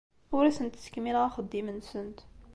Ur asent-ttkemmileɣ axeddim-nsent.